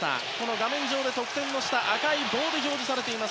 画面上で得点の下赤い棒で表示されています